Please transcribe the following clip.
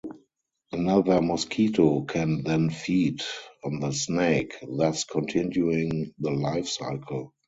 Another mosquito can then feed on the snake, thus continuing the lifecycle.